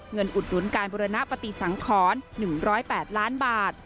เงินอุดนุ้นการบริณะปฏิสังขรรค์๑๐๘ล้านบาท